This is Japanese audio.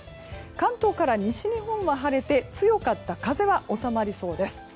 関東から西日本は晴れて強かった風は収まりそうです。